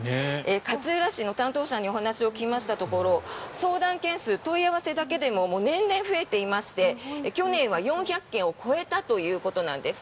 勝浦市の担当者にお話を聞きましたところ相談件数、問い合わせだけでも年々増えていまして去年は４００件を超えたということなんです。